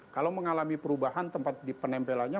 kalau mengalami perubahan di tempat penempelannya